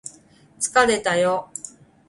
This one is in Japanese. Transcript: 疲れたよ